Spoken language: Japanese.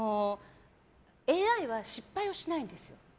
ＡＩは失敗しないんですよ。